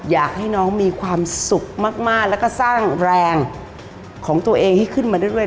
อยากให้น้องมีความสุขมากแล้วก็สร้างแรงของตัวเองให้ขึ้นมาเรื่อย